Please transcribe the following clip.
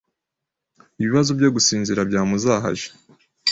ibibazo byo gusinzira byamuzahaje